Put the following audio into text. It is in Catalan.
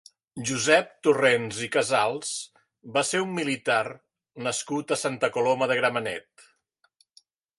Josep Torrents i Casals va ser un militar nascut a Santa Coloma de Gramenet.